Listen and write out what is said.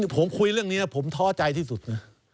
ผมคุยเรื่องนี้ผมท้อใจที่สุดนะ